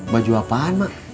baju apaan emak